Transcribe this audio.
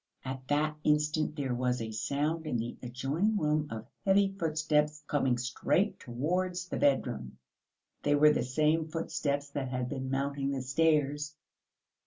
At that instant there was a sound in the adjoining room of heavy footsteps coming straight towards the bedroom; they were the same footsteps that had been mounting the stairs.